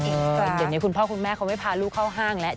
เดี๋ยวนี้คุณพ่อคุณแม่เขาไม่พาลูกเข้าห้างแล้ว